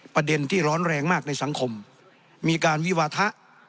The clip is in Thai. ประเด็นที่ร้อนแรงมากในสังคมมีการวิวาทะ